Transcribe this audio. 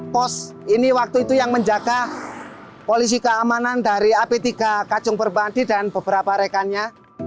pos ini waktu itu yang menjaga polisi keamanan dari ap tiga kacung perbandi dan beberapa rekannya